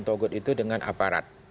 togut itu dengan aparat